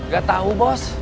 gak tau bos